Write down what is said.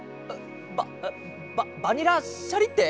バババニラ・シャリッテ！？